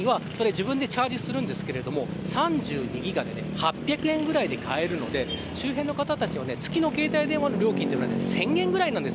さらには自分でチャージするんですけど３２ギガで８００円ぐらいで買えるので周辺の方たちは月の携帯電話の料金は１０００円ぐらいなんです。